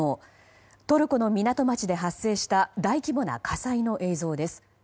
トルコの港町で発生した大規模な火災の映像です。